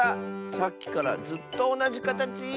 さっきからずっとおなじかたち！